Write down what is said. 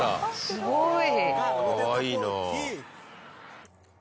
すごい。